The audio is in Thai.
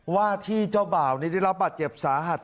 ว่าที่เจ้าบ่าวนี้ได้รับบาดเจ็บสาหัส